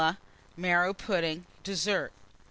Marrow Pudding. DESSERT.